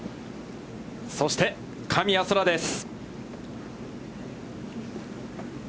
そして神谷そらです。